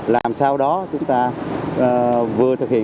làm sao đó chúng ta vừa thực hiện